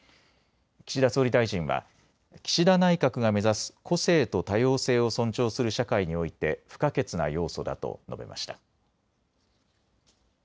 岸田総理大臣は岸田内閣が目指す個性と多様性を尊重する社会において不可欠な要素だと述べました。